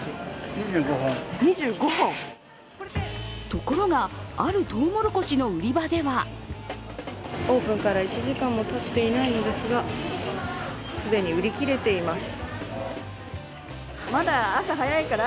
ところが、あるとうもろこしの売り場ではオープンから１時間もたっていないんですが、既に売り切れています。